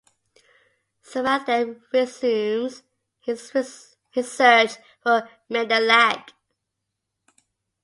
Sareth then resumes his search for Menelag.